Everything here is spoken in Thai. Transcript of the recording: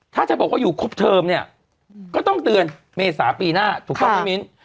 ถ้าจะบอกว่าอยู่ครบเทอมเนี่ยก็ต้องเตือนเมษาปีหน้าถูกต้องไหมมิ้น